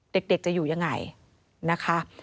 เด็กจะอยู่ยังไงนะคะ